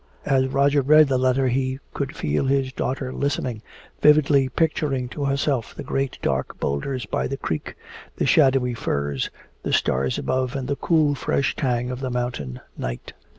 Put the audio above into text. As Roger read the letter he could feel his daughter listening, vividly picturing to herself the great dark boulders by the creek, the shadowy firs, the stars above and the cool fresh tang of the mountain night.